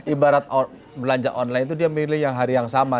ibarat belanja online itu dia milih yang hari yang sama